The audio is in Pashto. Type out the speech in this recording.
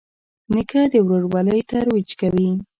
نیکه د ورورولۍ ترویج کوي.